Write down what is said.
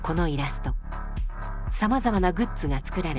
さまざまなグッズが作られ